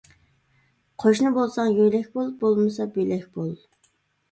قوشنا بولساڭ يۆلەك بول، بولمىسا بۆلەك بول.